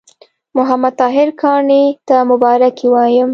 محمد طاهر کاڼي ته مبارکي وایم.